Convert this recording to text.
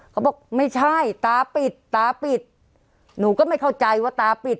เขาบอกไม่ใช่ตาปิดตาปิดหนูก็ไม่เข้าใจว่าตาปิด